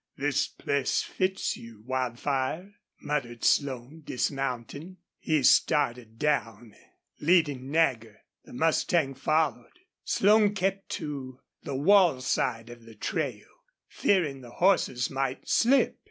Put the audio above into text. "This place fits you, Wildfire," muttered Slone, dismounting. He started down, leading Nagger. The mustang followed. Slone kept to the wall side of the trail, fearing the horses might slip.